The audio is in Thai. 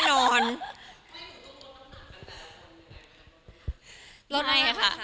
ไม่ผมไม่ต้องลงรดขนาดน้ำหนักขั้นนะคะ